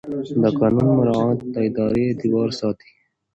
د قانون مراعات د ادارې اعتبار ساتي.